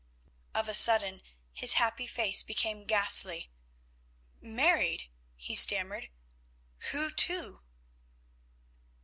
Of a sudden his happy face became ghastly. "Married!" he stammered. "Who to?"